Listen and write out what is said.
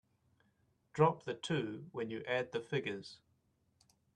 Drop the two when you add the figures.